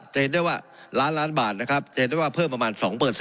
จะเห็นได้ว่าล้านล้านบาทนะครับจะเห็นได้ว่าเพิ่มประมาณ๒